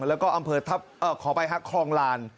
แล้วก็อำเภอขออภัยฮะคลองลาน